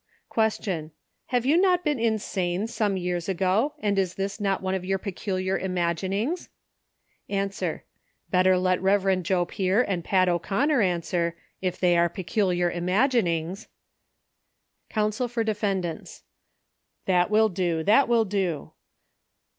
Q. — Have you not been insane some years ago, and is this not one of your peculiar imaginings ? ^.—Better let Rev. Joe Pier and Pat O'Conner answer, if they are " peculiar imaginings." C.for Z>'s.— That will do, that will do.